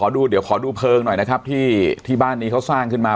เดี๋ยวขอดูเพลิงหน่อยนะครับที่บ้านนี้เขาสร้างขึ้นมา